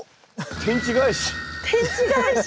天地返し！